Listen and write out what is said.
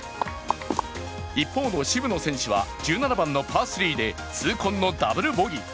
一方の渋野選手は１７番のパー３で痛恨のダブルボギー。